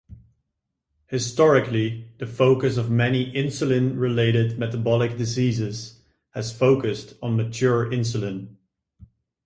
Historically, the focus of many insulin related metabolic diseases has focused on mature insulin.